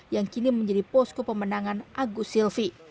yang kini menjadi pos kepemenangan agus silvi